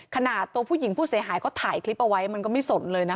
ขนาดตัวผู้หญิงผู้เสียหายเขาถ่ายคลิปเอาไว้มันก็ไม่สนเลยนะคะ